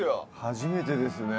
初めてですね。